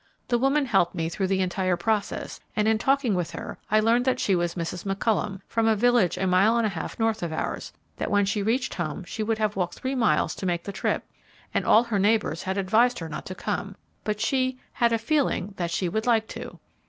The woman helped me through the entire process, and in talking with her, I learned that she was Mrs. McCollum, from a village a mile and a half north of ours; that when she reached home she would have walked three miles to make the trip; and all her neighbours had advised her not to come, but she "had a feeling that she would like to."